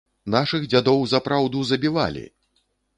Нашых дзядоў за праўду забівалі!